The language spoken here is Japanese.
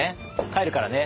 帰るからね。